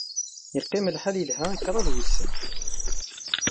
Yeqqim lḥal yelha kraḍ wussan.